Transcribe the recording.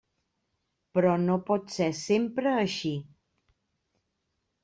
Però no pot ser sempre així.